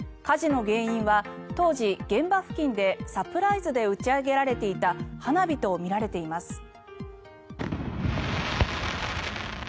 火事の原因は当時、現場付近でサプライズで打ち上げられていた花火とみられています。